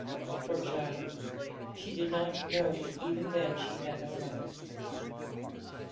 Poor child, she did not know that even then she had no mother.